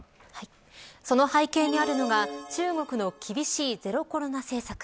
その背景にあるのが中国の厳しいゼロコロナ政策。